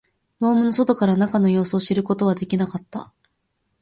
ドームの外から中の様子を知ることはできなかった